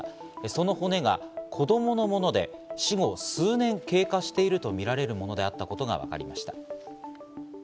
その骨が子供のもので死後数年経過しているとみられるものであったことがわかりました。